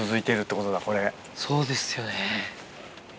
そうですよね。